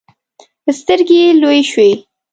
سترګې يې لویې شوې.